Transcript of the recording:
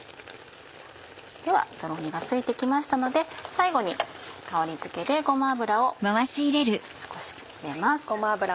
ではとろみがついて来ましたので最後に香りづけでごま油を少し入れます。